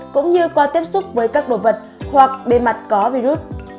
cũng như qua tiếp xúc với các đồ vật hoặc bề mặt có virus